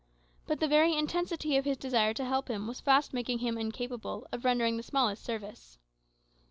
But the very intensity of his desire to help him was fast making him incapable of rendering him the smallest service.